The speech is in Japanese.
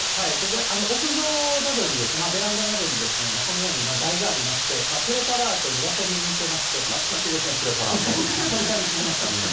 屋上などに、ベランダなどに、このように台がありまして、プレ懐かしいですね、プレパラー久々に聞きました。